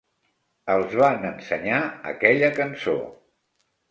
Els van ensenyar aquella cançó.